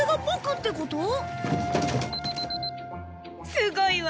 すごいわ。